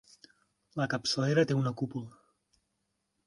La capçalera té una cúpula.